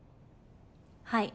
はい。